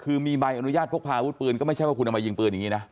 คือมีใบอนุญาตพกพาอาวุธปืนก็ไม่ใช่ว่าคุณเอามายิงปืนอย่างนี้นะ